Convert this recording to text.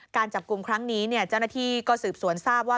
การจับกลุ่มครั้งนี้เจ้าหน้าที่ก็สืบสวนทราบว่า